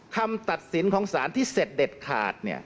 คำตัดสินของสารที่เสร็จเด็ดขาด